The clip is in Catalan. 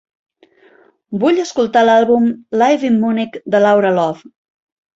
Vull escoltar l'àlbum "Live in Munich", de Laura Love.